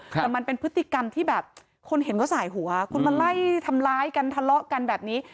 แต่มันเป็นพฤติกรรมที่แบบคนเห็นเขาสายหัวคุณมาไล่ทำร้ายกันทะเลาะกันแบบนี้